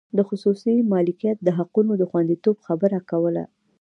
د خصوصي مالکیت د حقونو د خوندیتوب خبره کوله.